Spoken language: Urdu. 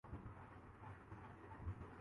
کبھی مئی میں گئے تو امید ہے۔